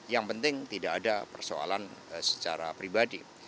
yang penting tidak ada persoalan secara pribadi